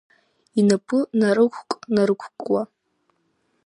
Инапы нарықәк-нарықәкуа.